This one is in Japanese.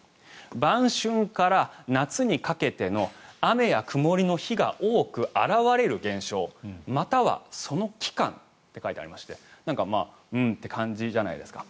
晩春から夏にかけての雨や曇りの日が多く現れる現象またはその期間と書いてありましてうんという感じじゃないですか。